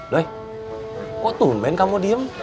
doi kok tuh ben kamu diem